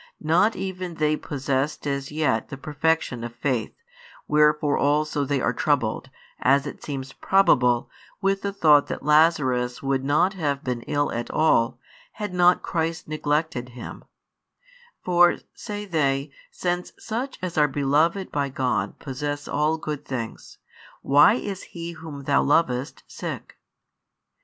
Not even they possessed as yet the perfection of faith, wherefore also they are troubled, as it seems probable, with the thought that Lazarus would not have been ill at all, had not Christ neglected him: for, say they, since such as are beloved by God possess all good things, why is he whom Thou lovest, sick?